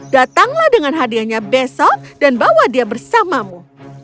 datanglah dengan hadiahnya besok dan bawa dia bersamamu